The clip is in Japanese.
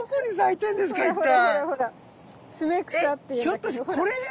ひょっとしてこれですか？